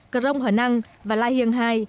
cờ rông hở năng và lai hiềng hai